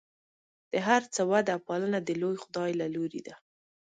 د هر څه وده او پالنه د لوی خدای له لورې ده.